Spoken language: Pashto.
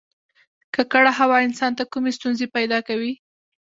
ککړه هوا انسان ته کومې ستونزې پیدا کوي